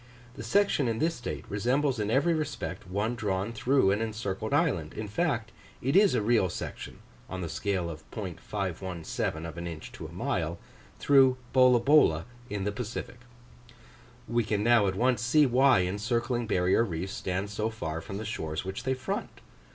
The section in this state resembles in every respect one drawn through an encircled island: in fact, it is a real section (on the scale of .517 of an inch to a mile) through Bolabola in the Pacific. We can now at once see why encircling barrier reefs stand so far from the shores which they front.